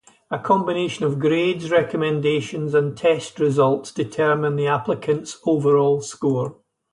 A combination of grades, recommendations, and test results determine the applicants' overall score.